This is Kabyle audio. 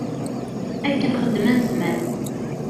Akken xeddmen zzman.